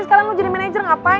sekarang lo jadi manager ngapain